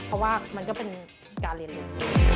เพราะว่ามันก็เป็นการเรียนรู้